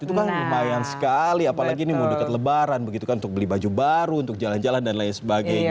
itu kan lumayan sekali apalagi ini mendekat lebaran untuk beli baju baru untuk jalan jalan dan lain sebagainya